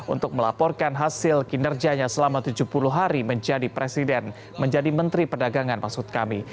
untuk melaporkan hasil kinerjanya selama tujuh puluh hari menjadi presiden menjadi menteri perdagangan maksud kami